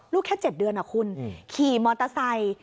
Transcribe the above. ลูกแค่๗เดือนขี่มอเตอร์ไซค์